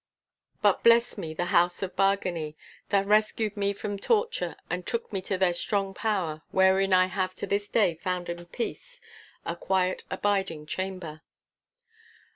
But bless me the House of Bargany, that rescued me from torture and took me to their strong tower, wherein I have to this day found in peace a quiet abiding chamber.